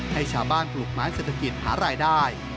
ให้ชาวบ้านปลูกไม้เศรษฐกิจหารายได้